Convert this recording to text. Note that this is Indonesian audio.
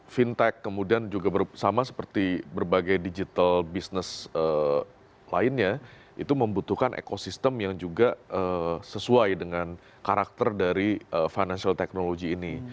fintech kemudian juga sama seperti berbagai digital business lainnya itu membutuhkan ekosistem yang juga sesuai dengan karakter dari financial technology ini